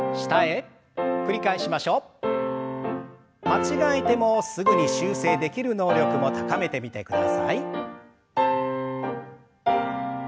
間違えてもすぐに修正できる能力も高めてみてください。